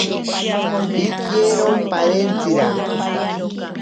Pikiero parentsira.